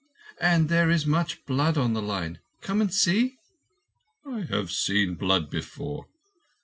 And there is much blood on the line. Come and see?" "I have seen blood before.